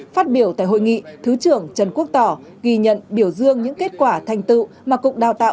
phát biểu tại hội nghị thứ trưởng trần quốc tỏ ghi nhận biểu dương những kết quả thành tựu mà cục đào tạo